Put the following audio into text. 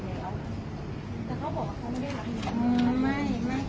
คือกบกูก็แบ่งกันใช้อยู่เดียวค่ะ